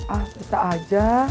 ah bisa aja